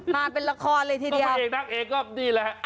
มาเป็นละครเลยทีเดียวต้องเป็นนักเอกก็ดีแหละ